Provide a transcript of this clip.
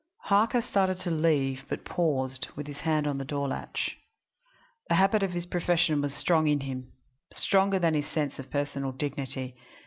Harker started to leave, but paused, with his hand on the door latch. The habit of his profession was strong in him stronger than his sense of personal dignity.